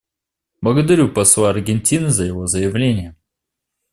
Благодарю посла Аргентины за его заявление.